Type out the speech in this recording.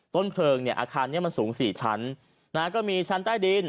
ต้นเพลิงเนี่ยอาคารนี้มันสูง๔ชั้นนะฮะก็มีชั้นใต้ดิน